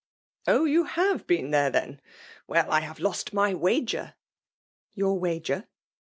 " Oh ! you have been there, then. Well— I have lost my wager !" "Your wager?'